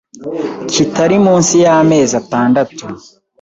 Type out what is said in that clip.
kitari munsi y’amezi atandatu,